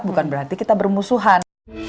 bukan berarti kita bermusuhan